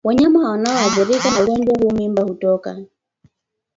Wanyama wanaoathirika na ugonjwa huu mimba hutoka